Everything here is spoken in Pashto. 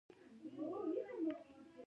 یواځې ماشومان داسې نه دي.